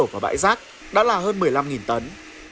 và bãi rác đã là hơn một mươi năm tấn